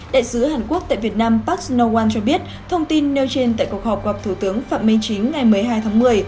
đại sứ hàn quốc tại việt nam park nohan cho biết thông tin nêu trên tại cuộc họp gặp thủ tướng phạm minh chính ngày một mươi hai tháng một mươi